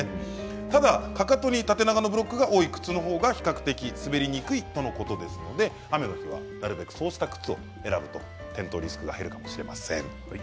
ただ、かかとに縦長のブロックが多い靴のほうが比較的滑りにくいとのことですので雨の日はなるべくそうした靴を選ぶと転倒リスクが減るかもしれません。